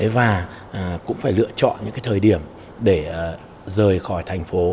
và cũng phải lựa chọn những thời điểm để rời khỏi thành phố